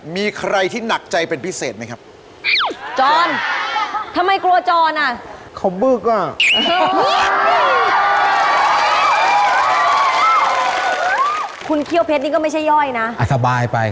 มีใครที่หนักใจเป็นพิเศษไหมครับ